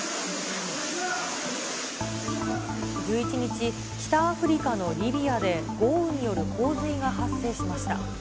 １１日、北アフリカのリビアで豪雨による洪水が発生しました。